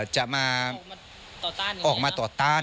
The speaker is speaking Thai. จะมาออกมาต่อต้าน